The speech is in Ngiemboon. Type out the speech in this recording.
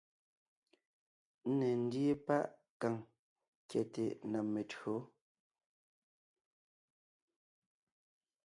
Ńne ńdíe páʼ kàŋ kyɛte na metÿǒ,